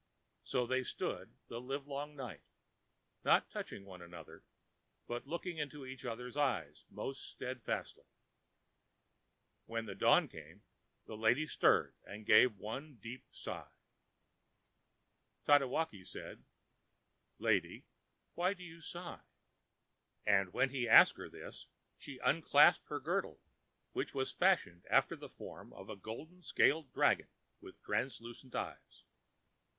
So they stood the live long night, not touching one another but looking into each otherãs eyes most steadfastly. When dawn came, the lady stirred and gave one deep sigh. Tatewaki said, ãLady, why do you sigh?ã And when he asked her this, she unclasped her girdle, which was fashioned after the form of a golden scaled dragon with translucent eyes.